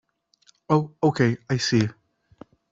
Oh okay, I see.